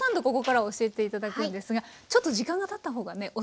ここからは教えて頂くんですがちょっと時間がたった方がね